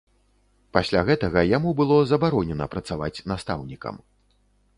Пасля гэтага яму было забаронена працаваць настаўнікам.